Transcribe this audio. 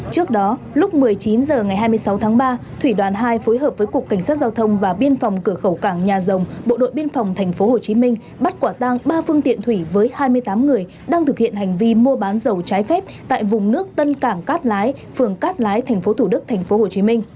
trước đó lúc một mươi chín h ngày hai mươi sáu tháng ba thủy đoàn hai phối hợp với cục cảnh sát giao thông và biên phòng cửa khẩu cảng nhà rồng bộ đội biên phòng tp hcm bắt quả tang ba phương tiện thủy với hai mươi tám người đang thực hiện hành vi mua bán dầu trái phép tại vùng nước tân cảng cát lái phường cát lái tp thủ đức tp hcm